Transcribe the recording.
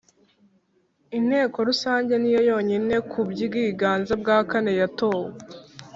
Inteko Rusange niyo yonyine ku bwiganze bwa kane yatowe